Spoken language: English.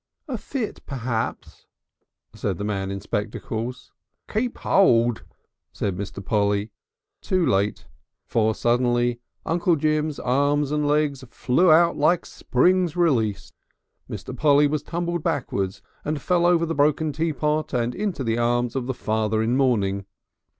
"A fit, perhaps," said the man in spectacles. "Keep hold!" said Mr. Polly, too late. For suddenly Uncle Jim's arms and legs flew out like springs released. Mr. Polly was tumbled backwards and fell over the broken teapot and into the arms of the father in mourning.